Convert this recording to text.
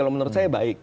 menurut saya baik